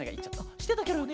してたケロよね。